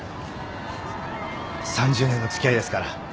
３０年の付き合いですからそれはもう。